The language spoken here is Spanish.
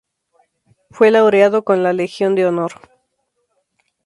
Fue laureado con la Legión de Honor.